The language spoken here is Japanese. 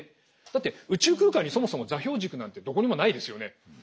だって宇宙空間にそもそも座標軸なんてどこにもないですよね。